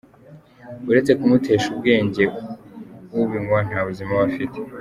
Uretse kumutesha ubwenge ; ubinywa nta buzima aba afite.